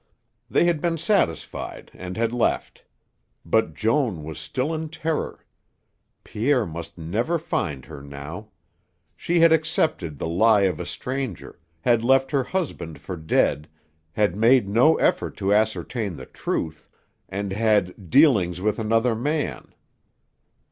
They had been satisfied and had left. But Joan was still in terror. Pierre must never find her now. She had accepted the lie of a stranger, had left her husband for dead, had made no effort to ascertain the truth, and had "dealings with another man."